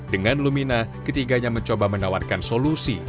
dengan lumina ketiganya mencoba menawarkan solusi